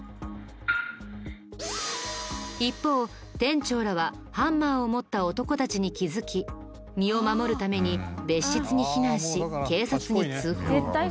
一方店長らはハンマーを持った男たちに気づき身を守るために別室に避難し警察に通報。